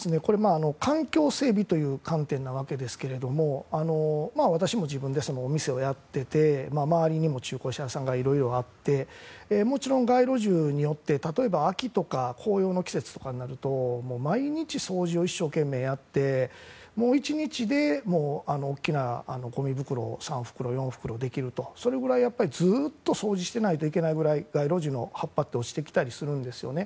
環境整備という観点なわけですが私も自分でお店をやっていて周りにも中古車屋さんがいろいろあってもちろん街路樹によって例えば秋とか紅葉の季節になると毎日、掃除を一生懸命やって１日で大きなごみ袋が３袋、４袋できるというぐらいずっと掃除してないといけないぐらい街路樹の葉っぱって落ちてきたりするんですね。